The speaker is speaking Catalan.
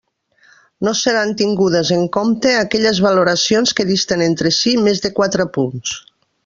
No seran tingudes en compte aquelles valoracions que disten entre si més de quatre punts.